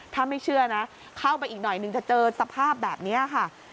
ถ้าไม่เชื่อนะเข้าไปอีกหน่อยนึงจะเจอสภาพแบบนี้ค่ะ